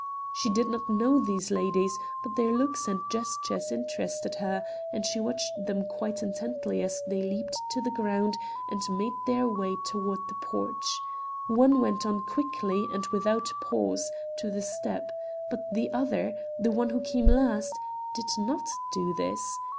"She did not know these ladies, but their looks and gestures interested her, and she watched them quite intently as they leaped to the ground and made their way toward the porch. One went on quickly, and without pause, to the step, but the other, the one who came last, did not do this.